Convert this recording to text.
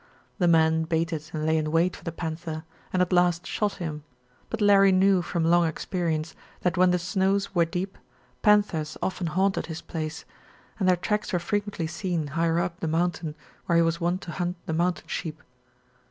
The men baited and lay in wait for the panther, and at last shot him, but Larry knew from long experience that when the snows were deep, panthers often haunted his place, and their tracks were frequently seen higher up the mountain where he was wont to hunt the mountain sheep.